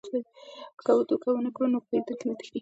که دوکه ونه کړو نو پیرودونکي نه تښتي.